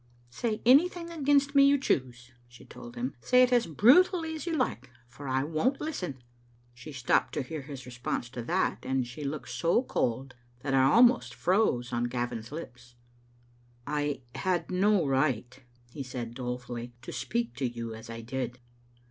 " Say anything against me you choose," she told him. " Say it as brutally as you like, for I won't listen." She stopped to hear his response to that, and she looked so cold that it almost froze on Gavin's lips. " I had no right," he said, dolefully, " to speak to you as I did."